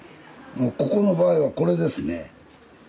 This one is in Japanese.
ここの場合はこれですね。